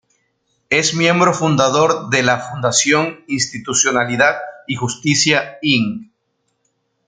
Es miembro fundador de la Fundación Institucionalidad y Justicia, Inc.